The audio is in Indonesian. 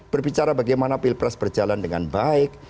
berbicara bagaimana pilpres berjalan dengan baik